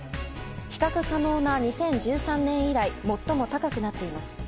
比較可能な２０１３年以来最も高くなっています。